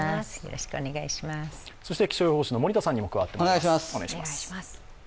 そして気象予報士の森田さんにも加わってもらいます。